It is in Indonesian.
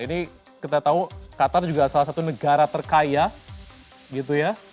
ini kita tahu qatar juga salah satu negara terkaya gitu ya